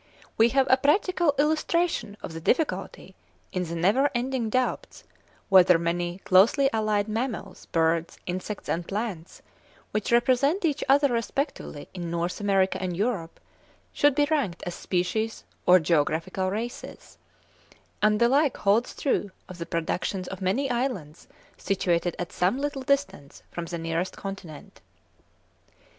We have a practical illustration of the difficulty in the never ending doubts whether many closely allied mammals, birds, insects, and plants, which represent each other respectively in North America and Europe, should be ranked as species or geographical races; and the like holds true of the productions of many islands situated at some little distance from the nearest continent.